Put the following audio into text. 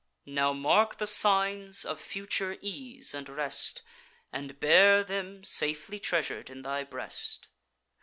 Now mark the signs of future ease and rest, And bear them safely treasur'd in thy breast.